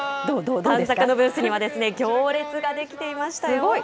短冊のブースには、行列が出来ていましたよ。